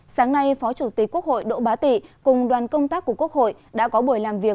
sáng nay phó chủ tịch quốc hội đỗ bá tị cùng đoàn công tác của quốc hội đã có buổi làm việc